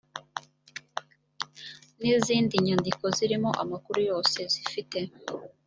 n izindi nyandiko zirimo amakuru yose zifite